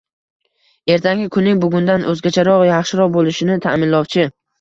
ertangi kunning bugundan o‘zgacharoq, yaxshiroq bo‘lishini ta’minlovchi